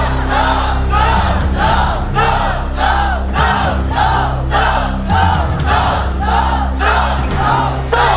ตอนนี้ทิ้งสองหมื่นไปต้องการสี่หมื่นเท่านั้นนะครับ